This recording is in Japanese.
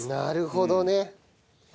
なるほどね。